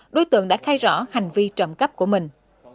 đối tượng đã khai rõ hành vi trộm cắp của mình